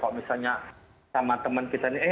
kalau misalnya sama temen kita nih